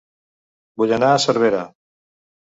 Vull anar a Cervera